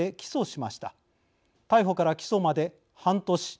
逮捕から起訴まで半年。